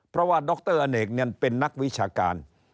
เพราะว่าดรอเนกเป็นนักวิชาการ